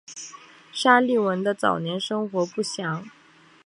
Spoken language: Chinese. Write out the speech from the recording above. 沙利文的早年生活不详。